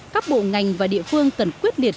các bộ ngành và địa phương cần quyết liệt